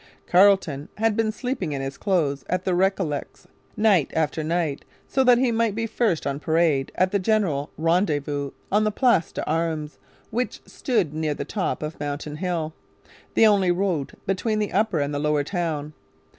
Carleton had been sleeping in his clothes at the Recollets', night after night, so that he might be first on parade at the general rendezvous on the Place d'Armes, which stood near the top of Mountain Hill, the only road between the Upper and the Lower Town.